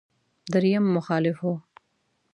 درېيم مخالف و.